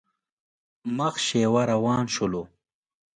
مخ شېوه روان شولو.